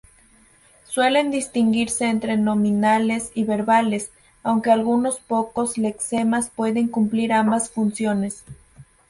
Suelen distinguirse entre nominales y verbales, aunque algunos pocos lexemas pueden cumplir ambas funciones.